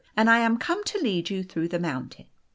And I am come to lead you through the mountain."